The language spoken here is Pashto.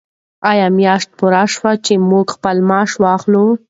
آیا میاشت پوره شوه چې موږ خپل معاش واخلو؟